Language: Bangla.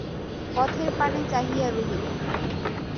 পথের পানে চাহিয়া রহিল।